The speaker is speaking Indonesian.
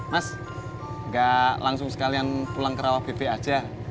mas enggak langsung sekalian pulang ke rawah bp aja